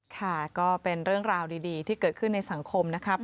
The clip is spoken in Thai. ค่ะก็เป็นเรื่องราวดีที่เกิดขึ้นในสังคมนะครับ